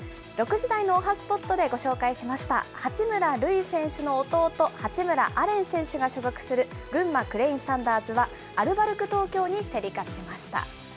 ６時台のおはＳＰＯＴでご紹介しました八村塁選手の弟、八村阿蓮選手が所属する群馬クレインサンダーズは、アルバルク東京に競り勝ちました。